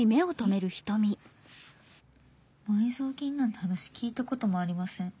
「埋蔵金なんて話聞いたこともありません。